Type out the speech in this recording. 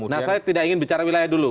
nah saya tidak ingin bicara wilayah dulu